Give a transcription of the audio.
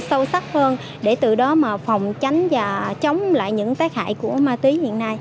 sâu sắc hơn để từ đó mà phòng tránh và chống lại những tác hại của ma túy hiện nay